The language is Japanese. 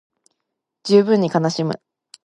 十分に悲しむ